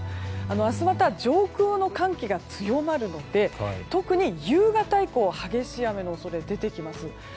明日、また上空の寒気が強まるので、特に夕方以降激しい雨の恐れが出てきます。